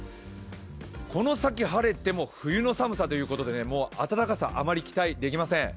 この先晴れても冬の寒さということで暖かさ、あまり期待できません。